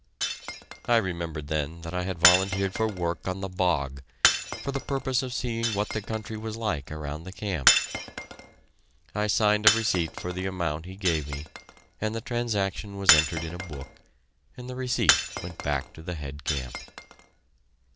I remembered then that I had volunteered for work on the bog, for the purpose of seeing what the country was like around the camp. I signed a receipt for the amount he gave me, and the transaction was entered in a book, and the receipt went back to the head camp.